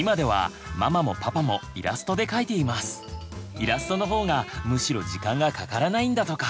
イラストの方がむしろ時間がかからないんだとか。